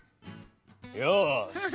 ・よし！